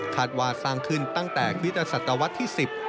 คาดวาสร้างขึ้นตั้งแต่คริสต์ศัตรวัฒน์ที่๑๐